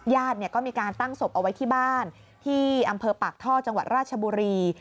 ญาติก็มีการตั้งศพเอาไว้ที่บ้านที่อำเภอปากท่อจังหวัดราชบุรี